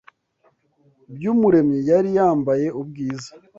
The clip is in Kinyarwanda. by’Umuremyi yari yambaye ubwiza